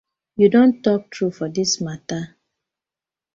Yu don tok true for dis matter.